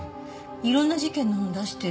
いろんな事件の本出してる。